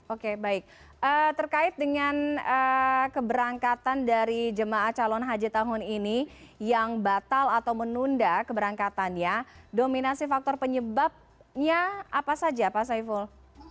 oke baik terkait dengan keberangkatan dari jemaah calon haji tahun ini yang batal atau menunda keberangkatannya dominasi faktor penyebabnya apa saja pak saiful